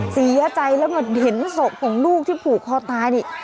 เสียใจแล้วมาเห็นศพของลูกที่ผูกคอตายนี่